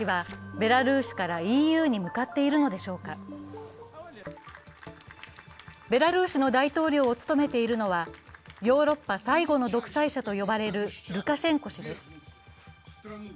ベラルーシの大統領を務めているのはヨーロッパ最後の独裁者と呼ばれるルカシェンコ氏です。